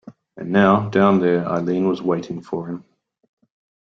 And now, down there, Eileen was waiting for him.